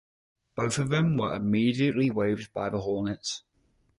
Both of them were immediately waived by the Hornets.